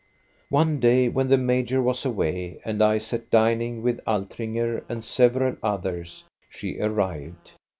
" One day, when the major was away and I sat dining with Altringer and several others, she arrived.